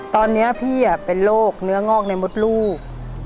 ตอนนี้พี่เป็นโรคเนื้องอกในมดลูก